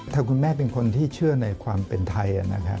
ถ้าคุณแม่เป็นคนที่เชื่อในความเป็นไทย